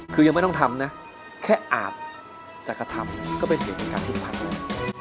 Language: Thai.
คือยังไม่ต้องทำนะแค่อาจจักรธรรมก็เป็นเหตุการณ์ผิดผัดเลย